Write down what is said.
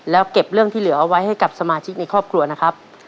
แล้วเก็บเรื่องที่เหลือเอาไว้ให้กับสมาชิกในครอบครัวนะครับ